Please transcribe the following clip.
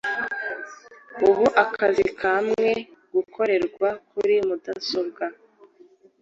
ubu akazi kamwe gakorerwa kuri mudasobwa